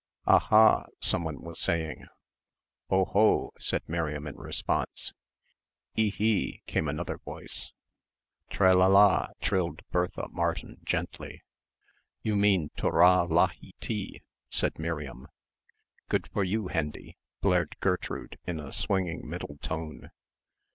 "Ah, ha!" somebody was saying. "Oh ho!" said Miriam in response. "Ih hi!" came another voice. "Tre la la," trilled Bertha Martin gently. "You mean Turrah lahee tee," said Miriam. "Good for you, Hendy," blared Gertrude, in a swinging middle tone.